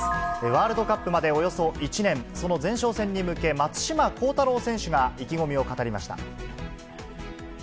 ワールドカップまでおよそ１年、その前哨戦に向け、松島幸太朗選手が意気込みを語りました。